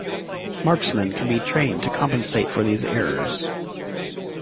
Marksmen can be trained to compensate for these errors.